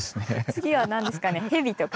次は何ですかね蛇とか？